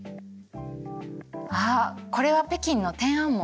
あっこれは北京の天安門ですよね？